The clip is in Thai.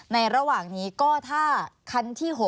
ระหว่างนี้ก็ถ้าคันที่๖